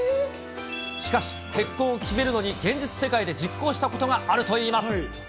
しかし、結婚を決めるのに現実世界で実行したことがあるといいます。